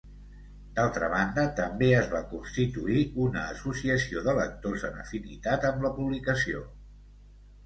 D'altra banda, també es va constituir una associació de lectors en afinitat amb la publicació.